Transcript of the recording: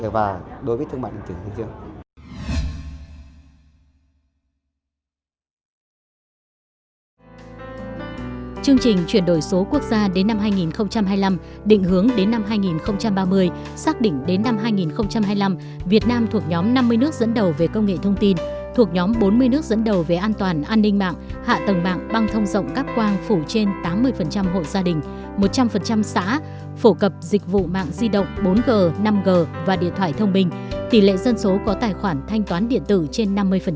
việt nam thuộc nhóm năm mươi nước dẫn đầu về công nghệ thông tin thuộc nhóm bốn mươi nước dẫn đầu về an toàn an ninh mạng hạ tầng mạng băng thông rộng cắp quang phủ trên tám mươi hội gia đình một trăm linh xã phổ cập dịch vụ mạng di động bốn g năm g và điện thoại thông minh tỷ lệ dân số có tài khoản thanh toán điện tử trên năm mươi